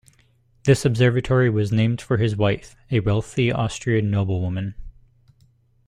This observatory was named for his wife, a wealthy Austrian noblewoman.